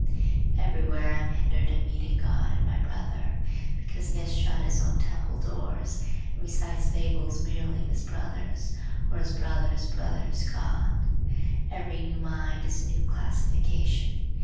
Everywhere I am hindered of meeting God in my brother, because he has shut his own temple doors and recites fables merely of his brother's, or his brother's brother's God. Every new mind is a new classification.